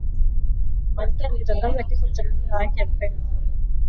malkia alitangaza kifo cha mume wake mpenzi